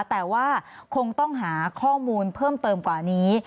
แต่ว่าคงต้องหาข้อมูลเพิ่มเติมกว่านี้